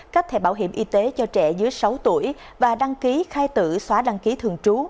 cấp thể bảo hiểm y tế cho trẻ dưới sáu tuổi và đăng ký khai tử xóa đăng ký thường trú